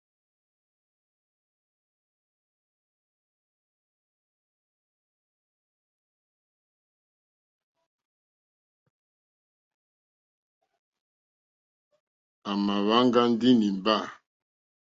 À mà wá ŋɡá ndí nǐmbà.